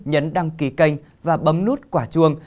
nhấn đăng ký kênh và bấm nút quả chuông